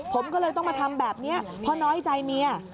ผมก็เลยต้องมาทำแบบนี้เพราะน้อยใจเมีย